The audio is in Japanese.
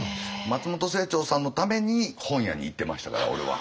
松本清張さんのために本屋に行ってましたから俺は。